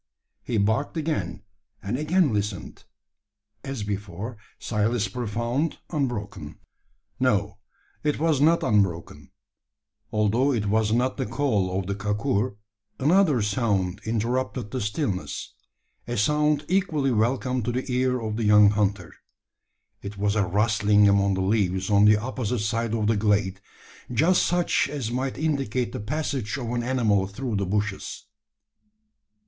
He barked again, and again listened. As before, silence profound, unbroken. No it was not unbroken. Although it was not the call of the kakur, another sound interrupted the stillness a sound equally welcome to the ear of the young hunter. It was a rustling among the leaves on the opposite side of the glade; just such as might indicate the passage of an animal through the bushes.